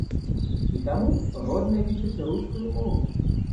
І таму роднай лічыць рускую мову.